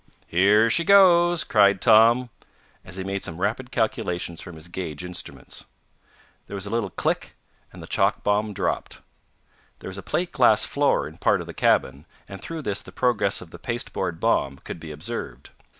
"Here she goes!" cried Tom, as he made some rapid calculations from his gauge instruments. There was a little click and the chalk bomb dropped. There was a plate glass floor in part of the cabin, and through this the progress of the pasteboard bomb could be observed.